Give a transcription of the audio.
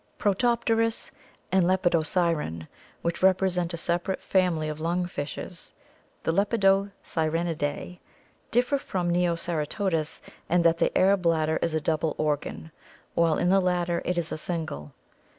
Protopterus and Lepidosiren, which represent a separate family of lung fishes, the Lepidosirenidae, differ from Neoceratodus in that the air bladder is a double organ, while in the latter it is single.